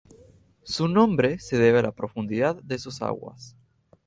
Su nombre se debe a la profundidad de sus aguas.